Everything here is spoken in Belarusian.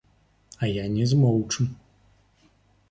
А я не змоўчу.